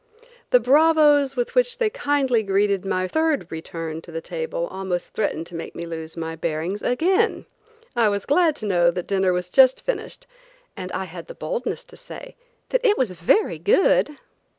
The bravos with which they kindly greeted my third return to the table almost threatened to make me lose my bearings again. I was glad to know that dinner was just finished and I had the boldness to say that it was very good!